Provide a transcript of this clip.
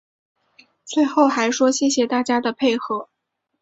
最后还说谢谢大家的配合